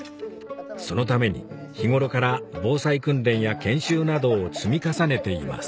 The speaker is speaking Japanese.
そのために日頃から防災訓練や研修などを積み重ねています